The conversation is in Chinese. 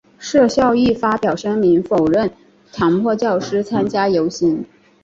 设校亦发表声明否认强迫教师参加游行。